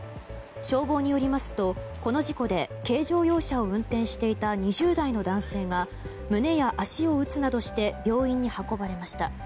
消防によりますと、この事故で軽乗用車を運転していた２０代の男性が胸や足を打つなどして病院に運ばれました。